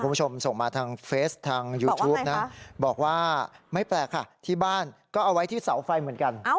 คุณผู้ชมส่งมาทางเฟสทางยูทูปนะบอกว่าไม่แปลกค่ะที่บ้านก็เอาไว้ที่เสาไฟเหมือนกัน